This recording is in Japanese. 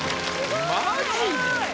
マジで？